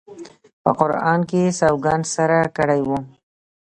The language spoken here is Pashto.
په قرآن یې سوګند سره کړی وو.